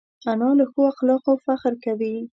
انا له ښو اخلاقو فخر کوي